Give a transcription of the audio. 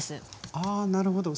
あなるほど。